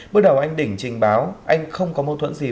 bước đầu anh đỉnh trình báo anh không có mâu thuẫn gì với nhóm